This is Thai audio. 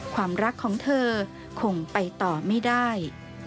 ความรักของเธอคงไปต่อไม่ได้